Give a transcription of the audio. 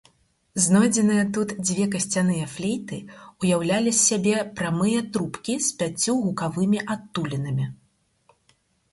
Знойдзеныя тут дзве касцяныя флейты ўяўлялі з сябе прамыя трубкі з пяццю гукавымі адтулінамі.